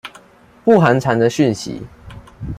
不寒蟬的訊息